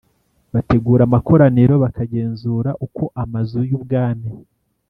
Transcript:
bategura amakoraniro bakagenzura uko Amazu y Ubwami